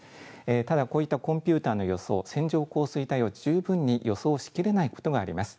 ただこういったコンピューターの予想、線状降水帯を十分に予想しきれないことがあります。